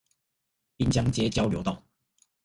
濱江街交流道